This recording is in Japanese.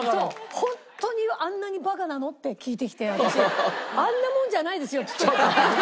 「本当にあんなにバカなの？」って聞いてきて私「あんなもんじゃないですよ」って言っておいた。